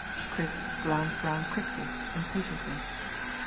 Chris glanced round quickly, impatiently.